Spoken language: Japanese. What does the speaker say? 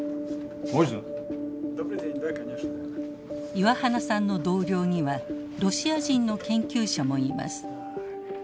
岩花さんの同僚にはロシア人の研究者もいます。